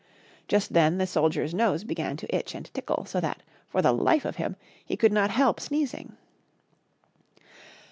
Just then the soldier's nose began to itch and tickle, so that, for the life of him, he could not help sneezing.